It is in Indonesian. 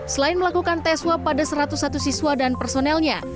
selain melakukan tes swab pada satu ratus satu siswa dan personelnya